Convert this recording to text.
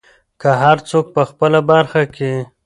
هر څوک په خپله برخه کې.